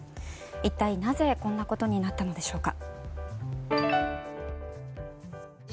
一体なぜ、こんなことになったのでしょうか。